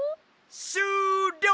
しゅうりょう！